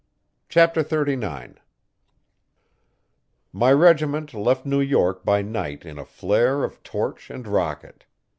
Chapter 39 My regiment left New York by night in a flare of torch and rocket.